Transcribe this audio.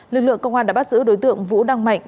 lực lượng công an đã bắt giữ đối tượng vũ đăng mạnh